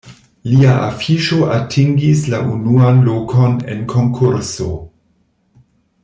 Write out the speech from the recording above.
Lia afiŝo atingis la unuan lokon en konkurso.